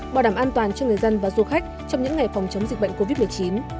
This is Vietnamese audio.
bảo đảm an toàn cho người dân và du khách trong những ngày phòng chống dịch bệnh covid một mươi chín